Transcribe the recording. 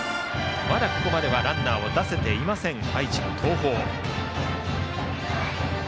まだここまではランナーを出せていない愛知の東邦。